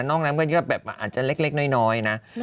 นอกนั้นก็อาจจะเล็กน้อยนะ